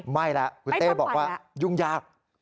ไม่แล้วคุณเต้บอกว่ายุ่งยาก